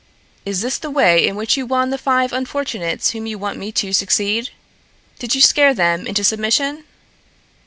Is this the way in which you won the five unfortunates whom you want me to succeed? Did you scare them into submission?"